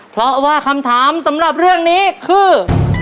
เพราะว่าคำถามสำหรับเรื่องนี้คือ